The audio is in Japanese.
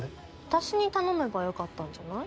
私に頼めばよかったんじゃない？